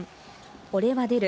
俺は出る。